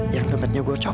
yang demetnya gue copet